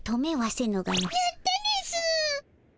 やったですぅ！